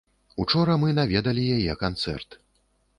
Учора мы наведалі яе канцэрт.